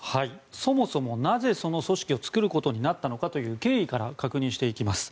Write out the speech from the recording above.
そもそも、なぜその組織を作ることになったのか経緯から確認していきます。